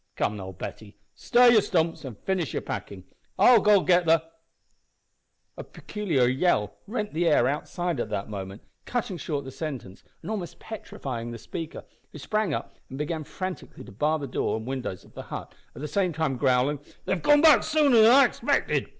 Come now, Betty, stir your stumps and finish your packing. I'll go get the " A peculiar yell rent the air outside at that moment, cutting short the sentence, and almost petrifying the speaker, who sprang up and began frantically to bar the door and windows of the hut, at the same time growling, "They've come sooner than I expected.